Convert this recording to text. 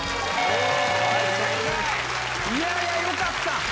いやいや、よかった。